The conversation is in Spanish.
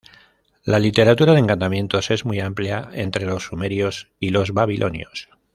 La literatura de encantamientos es muy amplia entre los sumerios y los babilonios.